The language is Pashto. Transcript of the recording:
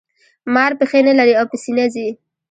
مار پښې نلري او په سینه ځي